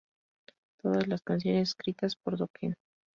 Todas las canciones escritas por Dokken.